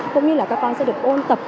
cũng như là các con sẽ được ôn tập